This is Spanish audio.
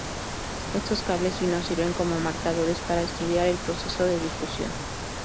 Estos cables finos sirven como marcadores para estudiar el proceso de difusión.